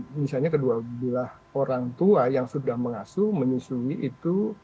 misalnya kedua belah orang tua yang sudah mengasuh menyusui itu